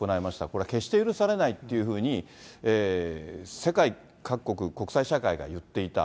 これは決して許されないっていうふうに世界各国、国際社会が言っていた。